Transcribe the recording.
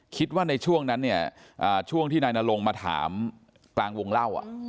คิดว่าในช่วงนั้นเนี่ยช่วงที่นายนลงมาถามกลางวงเล่า